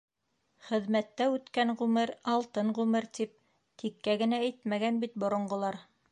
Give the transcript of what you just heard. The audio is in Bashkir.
Хеҙмәттә үткән ғүмер — алтын ғүмер, тип тиккә генә әйтмәгән бит боронғолар.